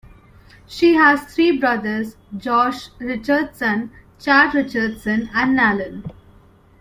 She has three brothers: Josh Richardson, Chad Richardson, and Nalin.